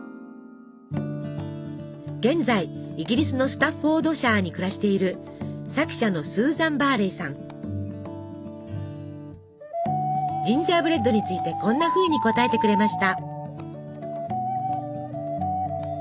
現在イギリスのスタッフォードシャーに暮らしているジンジャーブレッドについてこんなふうに答えてくれました。